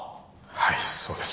はいそうです。